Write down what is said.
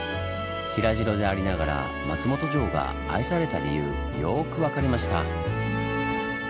平城でありながら松本城が愛された理由よく分かりました。